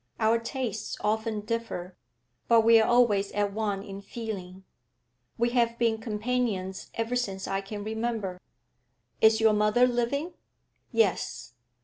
'Our tastes often differ, but we are always at one in feeling. We have been companions ever since I can remember.' 'Is your mother living?' 'Yes.'